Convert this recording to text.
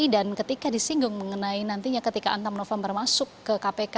dan ketika disinggung mengenai nantinya ketika antem novambar masuk ke kpk